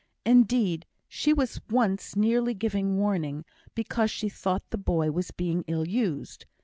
Indeed, she was once nearly giving warning, because she thought the boy was being ill used.